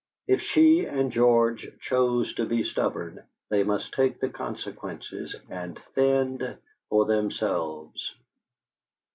If she and George chose to be stubborn, they must take the consequences, and fend for themselves.